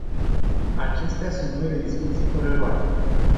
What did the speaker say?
Acestea sunt noile discuții fără roade.